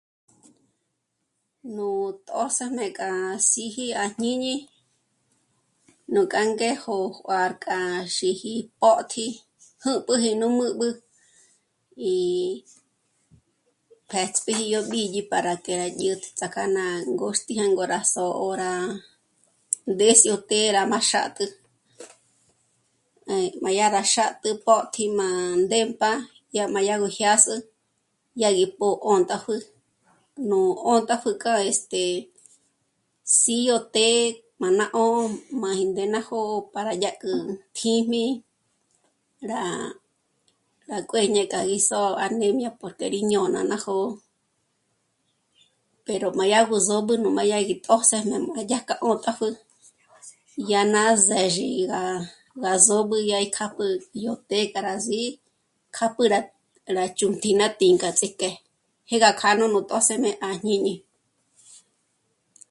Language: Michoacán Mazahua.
Nú tjṓsëjme k'a síji à jñíñi núk'a ngéjo juā̂rk'a xíji pótji jǖ́pǖji nú mä̌b'ä í p'ë́ts'biji yó b'íyi para que rá dyä̀t'ä tsják'a ná ngóxtjya ngó rá só'o, rá ndés'í o të́'ë rá má xât'ü e má dyà rá xât'ü pótji má ndémp'a, dyà má yá gó jyás'ü dyà gí pó'o 'ṑt'àpjü. Nú 'ṑt'àpjü k'a este... sí yó të́'ë má ná 'ò'o máji ndé ná jó'o para dyá k'ü kjím'i rá... rá kuë̌ñe k'a gí só'o anemia porque rí ñôna ná jó'o pero má dyà gó sób'ü nú má dyà gí tjṓsëjme má dyájk'a 'ṑt'àpjü, dyà ná së́zhi í gá b'ásób'ü dyá í k'áp'ü yó të́'ë k'a rá sí'i k'áp'ü rá... rá chjúnti ná tínk'a ts'ik'e jé gá k'á nú tjṓsëjme à jñíñi